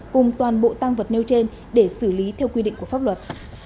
cùng toàn bộ tăng vật nêu trên để xử lý theo quy định của pháp luật